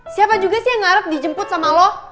siapa juga sih yang ngarep dijemput sama lo